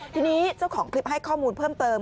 ทีนี้เจ้าของคลิปให้ข้อมูลเพิ่มเติม